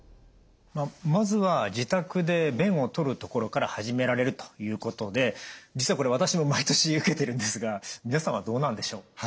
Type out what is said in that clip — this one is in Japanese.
まずは自宅で便を採るところから始められるということで実はこれ私も毎年受けているんですが皆さんはどうなんでしょう？